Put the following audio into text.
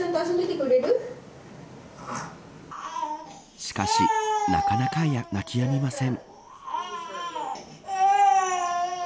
しかしなかなか泣き止みません。